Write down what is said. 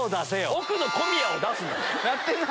奥の小宮を出すな。